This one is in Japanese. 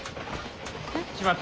えっ？